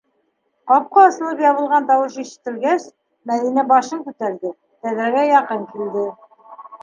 Капҡа асылып ябылған тауыш ишетелгәс, Мәҙинә башын күтәрҙе, тәҙрәгә яҡын килде.